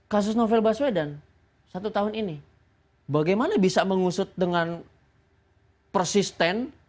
kasus novel baswedan satu tahun ini bagaimana bisa mengusut dengan persisten